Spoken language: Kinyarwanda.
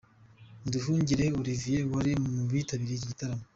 Nduhungirehe Olivier, wari mu bitabiriye iki gitaramo.